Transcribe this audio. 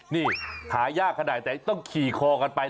นี่หายากขนาดไหนต้องขี่คอกันไป